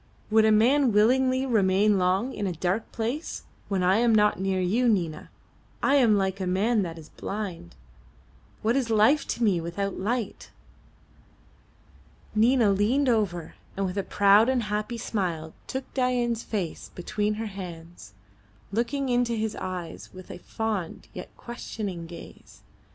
"Would a man willingly remain long in a dark place? When I am not near you, Nina, I am like a man that is blind. What is life to me without light?" Nina leaned over, and with a proud and happy smile took Dain's face between her hands, looking into his eyes with a fond yet questioning gaze.